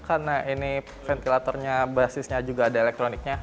karena ini ventilatornya basisnya juga ada elektroniknya